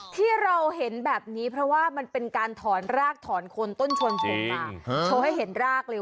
ที่เราเห็นแบบนี้เพราะว่ามันเป็นการถ่อนรากถ่อนคนต้นชวนชมมา